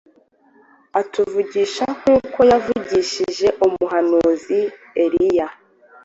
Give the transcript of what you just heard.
atuvugisha nkuko yavugishije umuhanuzi Eliya –